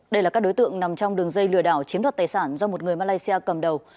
đây là các đối tượng nằm trong đường dây lừa đảo chiếm đoạt tài sản do một người malaysia cầm đầu